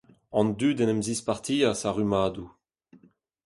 An dud en em zispartias a-rummadoù.